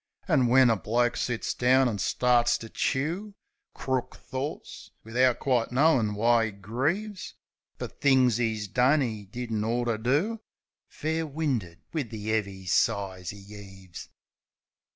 An' when a bloke sits down an' starts to chew Crook thorts, wivout quite knowin' why 'e grieves Fer things 'e's done 'e didn't ort to do — Fair winded wiv the 'eavy sighs 'e 'eaves.